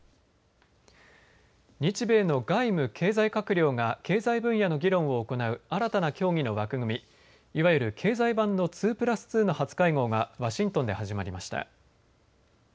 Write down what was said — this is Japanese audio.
日米の外務・経済閣僚が経済分野の議論を行う新たな協議の枠組みいわゆる経済版の２プラス２の初会合がワシントンで始まりました。